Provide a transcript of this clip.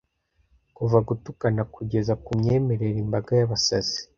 kuva gutukana kugeza kumyemerere imbaga yabasazi